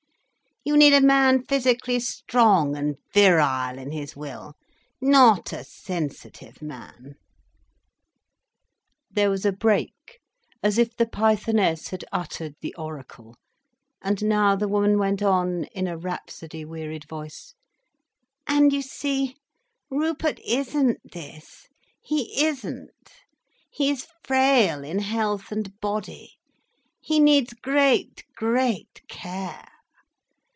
You need a man physically strong, and virile in his will, not a sensitive man—." There was a break, as if the pythoness had uttered the oracle, and now the woman went on, in a rhapsody wearied voice: "And you see, Rupert isn't this, he isn't. He is frail in health and body, he needs great, great care.